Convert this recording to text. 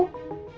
pulang subuh bu